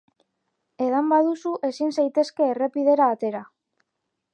Edan baduzu ezin zaitezke errepidera atera.